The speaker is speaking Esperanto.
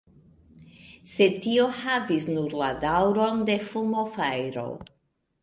Sed tio havis nur la daŭron de fulmofajro.